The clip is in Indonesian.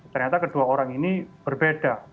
ternyata kedua orang ini berbeda